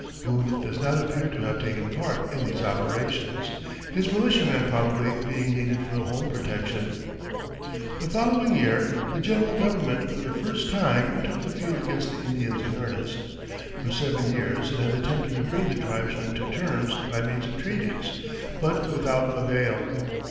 Boone does not appear to have taken part in these operations, his militiamen probably being needed for home protection. The following year the General Government for the first time took the field against the Indians in earnest. For seven years it had attempted to bring the tribesmen to terms by means of treaties, but without avail.